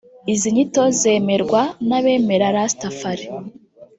Izi nyito zemerwa n’abemera Rastafari